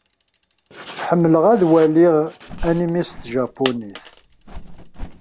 Ḥemmleɣ ad waliɣ animi s tjapunit.